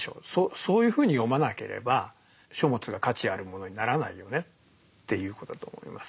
そういうふうに読まなければ書物が価値あるものにならないよねっていうことだと思いますね。